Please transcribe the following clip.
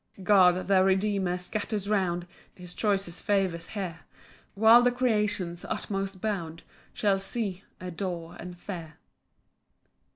7 God the Redeemer scatters round His choicest favours here, While the creation's utmost bound Shall see, adore, and fear.